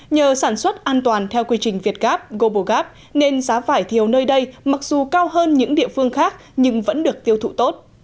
nhờ sản xuất an toàn theo quy trình việt gap global gap nên giá vải thiều nơi đây mặc dù cao hơn những địa phương khác nhưng vẫn được tiêu thụ tốt